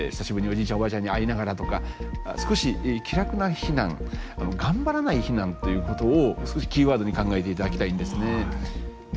おばあちゃんに会いながらとか少し気楽な避難頑張らない避難ということをキーワードに考えていただきたいんですね。